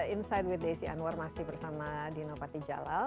insight with desi anwar masih bersama dino patijalal